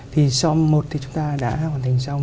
thì sau một thì chúng ta đã hoàn thành xong